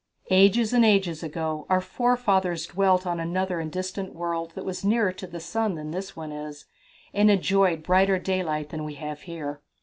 "Ages and ages ago our forefathers dwelt on another and distant world that was nearer to the sun than this one is, and enjoyed brighter daylight than we have here."